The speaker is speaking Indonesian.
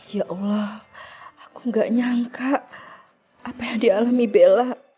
ya allah aku gak nyangka apa yang dialami bella